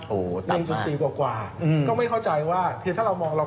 โหต่ำหนึ่งจุดสี่กว่ากว่าก็ไม่เข้าใจว่าถ้าเรามองเรา